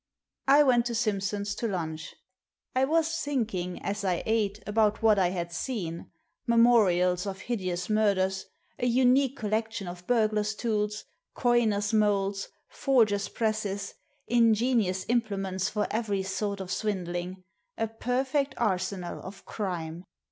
I went to Simpson's to lunch. I was thinking, as I ate, about what I had seen, memorials of hideous murders, a unique col lection of burglars' tools, coiners' moulds, forgers' presses, ingenious implements for every sort of swindling — a perfect arsenal of crime!